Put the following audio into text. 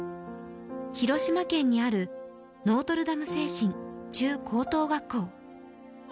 広島県にあるノートルダム清心中・高等学校。